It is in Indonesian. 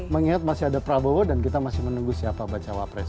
mengingat masih ada prabowo dan kita masih menunggu siapa baca wapres